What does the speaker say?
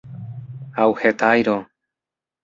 Aŭ hetajro!